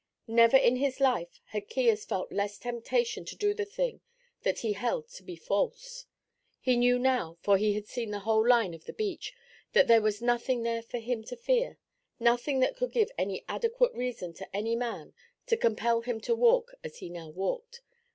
Never in his life had Caius felt less temptation to do the thing that he held to be false. He knew now, for he had seen the whole line of the beach, that there was nothing there for him to fear, nothing that could give any adequate reason to any man to compel him to walk as he now walked.